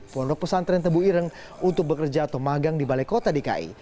pondok pesantren tebu ireng untuk bekerja atau magang di balai kota dki